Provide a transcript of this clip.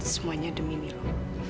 semuanya demi milo